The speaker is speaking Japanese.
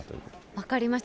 分かりました。